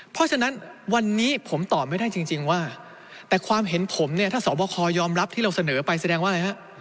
เพราะฉะนั้นวันนี้ผมตอบไม่ได้จริงว่าแต่ความเห็นผมเนี่ยถ้าสอบคอยอมรับที่เราเสนอไปแสดงว่าอะไรฮะ